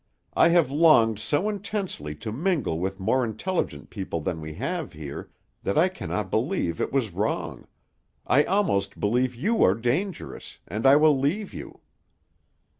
I have longed so intensely to mingle with more intelligent people than we have here, that I cannot believe it was wrong; I almost believe you are dangerous, and I will leave you."